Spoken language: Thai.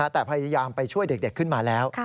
แต่พยายามไปช่วยเด็กขึ้นมาแล้ว